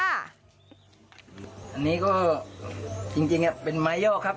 อันนี้ก็จริงเป็นไม้ย่อครับ